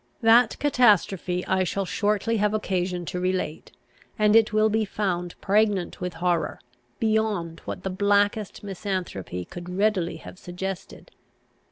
That catastrophe I shall shortly have occasion to relate, and it will be found pregnant with horror, beyond what the blackest misanthropy could readily have suggested.